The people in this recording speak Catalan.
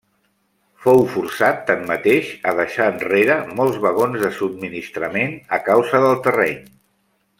Fou forçat tanmateix a deixar enrere molts vagons de subministrament a causa del terreny.